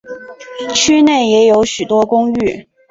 区内也有许多公寓。